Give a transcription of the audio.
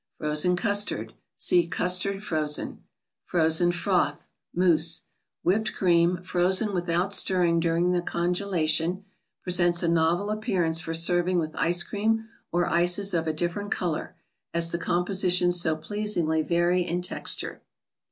frozen CusstarD. See Custard , Frozen. fro?en frottj (flfcouflae). ^ r h j e p n ed ~ stirring during the congelation, presents a novel appear¬ ance for serving with ice cream or ices of a different color, as the compositions so pleasingly vary in texture.